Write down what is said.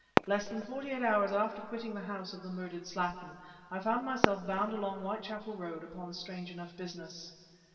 Less than forty eight hours after quitting the house of the murdered Slattin, I found myself bound along Whitechapel Road upon strange enough business.